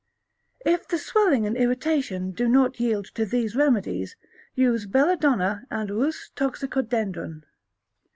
If the swelling and irritation do not yield to these remedies use Belladona and Rhus toxicodendron.